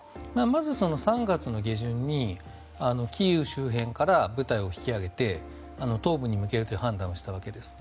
まず３月下旬にキーウ周辺から部隊を引き揚げて東部に向けるという判断をしたわけです。